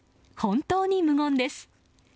本当に無言です。